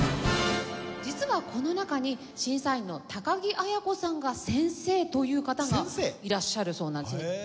実はこの中に審査員の高木綾子さんが先生という方がいらっしゃるそうなんですよね。